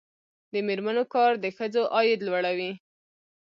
د میرمنو کار د ښځو عاید لوړوي.